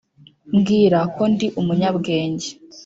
mbwira ko ndi umunyabwenge,